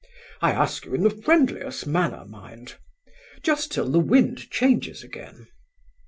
I ask you in the friendliest manner, mind; just till the wind changes again.